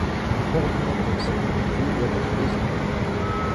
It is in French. Un coordinateur sécurité doit être désigné.